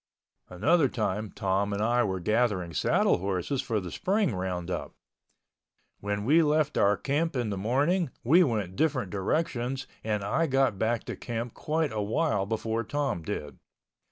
Another time Tom and I were gathering saddle horses for the spring roundup. When we left our camp in the morning we went different directions and I got back to camp quite a while before Tom did.